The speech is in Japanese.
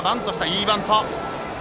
いいバント。